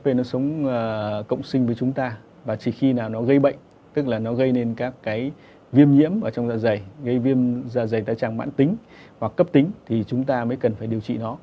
về nó sống cộng sinh với chúng ta và chỉ khi nào nó gây bệnh tức là nó gây nên các cái viêm nhiễm ở trong da dày gây viêm da dày tay trang mãn tính hoặc cấp tính thì chúng ta mới cần phải điều trị nó